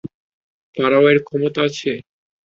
ফারাওয়ের ক্ষমতা আছে।